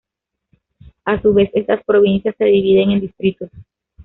A su vez estas provincias se dividen en distritos.